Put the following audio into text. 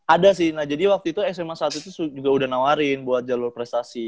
ada sih nah jadi waktu itu sma satu itu juga udah nawarin buat jalur prestasi